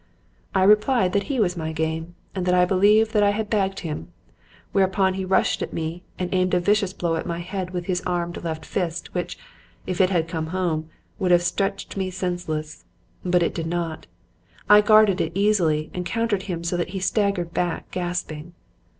I replied that he was my game and that I believed that I had bagged him, whereupon he rushed at me and aimed a vicious blow at my head with his armed left fist, which, if it had come home, would have stretched me senseless. But it did not. I guarded it easily and countered him so that he staggered back gasping.